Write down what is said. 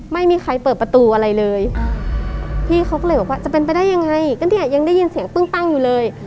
ไม่มีใครเปิดประตูอะไรเลยพี่เขาก็เลยบอกว่าจะเป็นไปได้ยังไงก็เนี่ยยังได้ยินเสียงปึ้งปั้งอยู่เลย